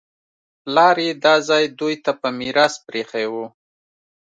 پلار یې دا ځای دوی ته په میراث پرېښی و